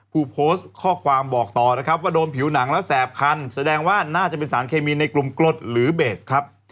ผู้โพสต์ข้อความบอกต่อนะครับว่าโดนผิวหนังแล้วแสบคันแสดงว่าน่าจะเป็นสารเคมีในกลุ่มกรดหรือเบสครับ